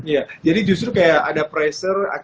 ya jadi justru kayak ada pressure